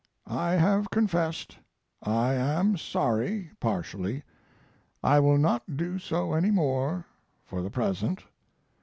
I have confessed. I am sorry partially. I will not do so any more for the present.